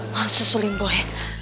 masuk suling boy